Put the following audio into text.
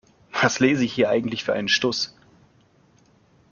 Was lese ich hier eigentlich für einen Stuss?